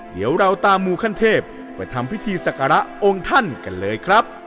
เดี๋ยวเราตามมูขั้นเทพไปทำพิธีศักระองค์ท่านกันเลยครับ